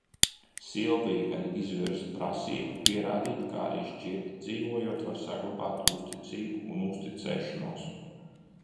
Silvija gan izvirza prasību, pierādīt, ka arī šķirti dzīvojot, var saglabāt uzticību un uzticēšanos.